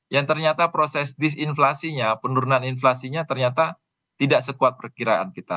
yang ternyata proses disinflasinya penurunan inflasinya ternyata tidak sekuat perkiraan kita